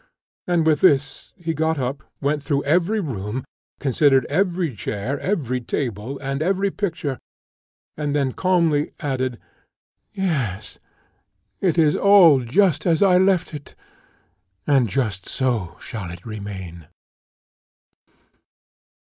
And with this he got up, went through every room, considered every chair, every table, and every picture, and then calmly added, "Yes, it is all just as I left it, and just so shall it remain."